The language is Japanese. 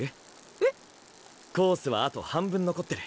えっ！？コースはあと半分残ってる。